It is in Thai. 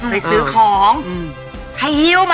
มันต้องโก๊บ